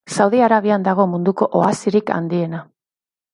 Saudi Arabian dago munduko oasirik handiena.